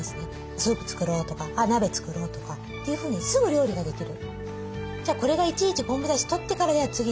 スープ作ろうとか鍋作ろうとかというふうにすぐ料理ができる。